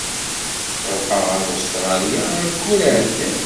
Ṛuḥeɣ ɣer Ustṛalya ayyur iɛeddan.